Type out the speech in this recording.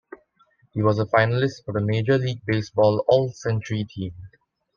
He was a finalist for the Major League Baseball All-Century Team.